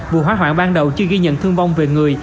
vụ hỏa hoạn ban đầu chưa ghi nhận thương vong về người